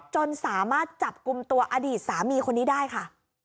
จนสามารถจับกลุ่มตัวอดีตสามีคนนี้ได้ค่ะ